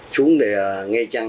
xuống để nghe chăng